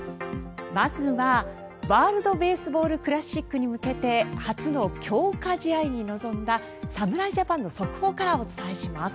まずはワールド・ベースボール・クラシックに向けて初の強化試合に臨んだ侍ジャパンの速報からお伝えします。